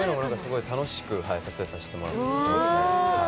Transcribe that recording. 楽しく撮影させてもらいました。